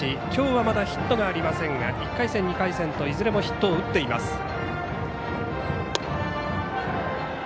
きょうはまだヒットはありませんが１回戦、２回戦といずれもヒットを打っています。